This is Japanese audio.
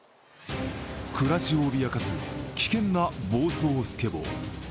暮らしを脅かす危険な暴走スケボー。